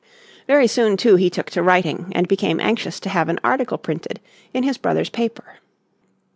Very soon too he took to writing, and became anxious to have an article printed in his brother's paper.